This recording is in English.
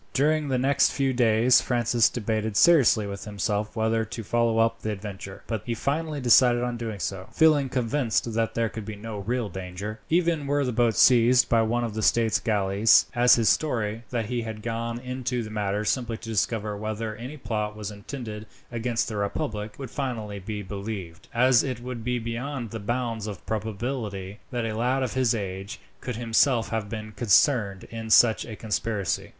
During the next few days Francis debated seriously with himself whether to follow up the adventure; but he finally decided on doing so, feeling convinced that there could be no real danger, even were the boat seized by one of the state galleys; as his story, that he had gone into the matter simply to discover whether any plot was intended against the republic, would finally be believed, as it would be beyond the bounds of probability that a lad of his age could himself have been concerned in such a conspiracy.